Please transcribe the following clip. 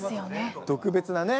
特別なね。